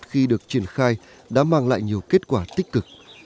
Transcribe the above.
khi được triển khai đã mang lại nhiều kết quả tích cực